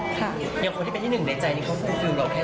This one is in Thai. คนที่เป็นที่หนึ่งในใจคิดว่าแค่ไหนครับ